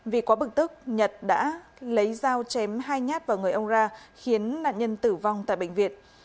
vì quá bực tức nhật đã lấy dao chém hai nhát vào người ông ra khiến nạn nhân tử vong tại bệnh viện